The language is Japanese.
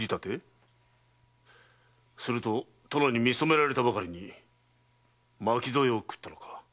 すると殿に見初められたばかりに巻き添えを食ったのか？